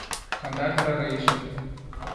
کندهار ته را رهي شه.